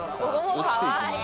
・落ちていきます